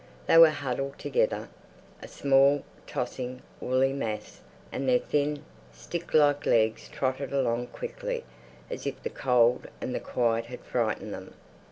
They were huddled together, a small, tossing, woolly mass, and their thin, stick like legs trotted along quickly as if the cold and the quiet had frightened them.